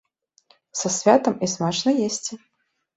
Са святам і смачна есці!!!